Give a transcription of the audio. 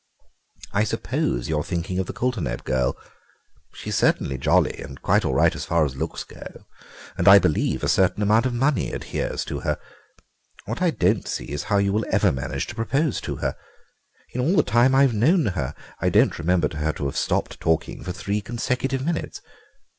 I suppose you're thinking of the Coulterneb girl. She's certainly jolly, and quite all right as far as looks go, and I believe a certain amount of money adheres to her. What I don't see is how you will ever manage to propose to her. In all the time I've known her I don't remember her to have stopped talking for three consecutive minutes.